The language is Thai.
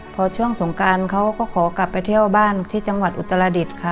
พอช่วงสงการเขาก็ขอกลับไปเที่ยวบ้านที่จังหวัดอุตรดิษฐ์ค่ะ